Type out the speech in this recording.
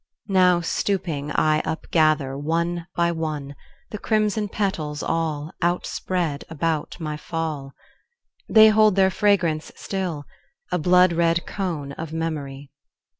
Now, stooping, I upgather, one by one, The crimson petals, all Outspread about my fall. They hold their fragrance still, a blood red cone Of memory.